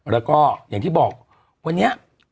แล้วก็อย่างที่บอกวันนี้